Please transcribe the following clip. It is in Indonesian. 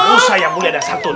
usaha yang mulia dan santun